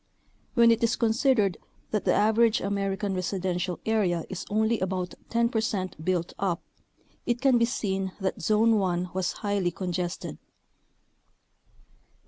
When it is considered that the average American residential area is only about 10 percent built up, it can be seen that Zone 1 was highly congested.